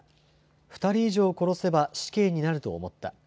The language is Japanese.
２人以上殺せば死刑になると思った。